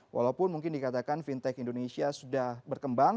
walaupun mungkin dikatakan fintech indonesia sudah berkembang